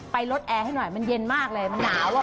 ลดแอร์ให้หน่อยมันเย็นมากเลยมันหนาวอ่ะ